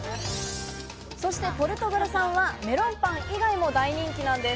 そして、ぽるとがるさんはメロンパン以外も大人気なんです。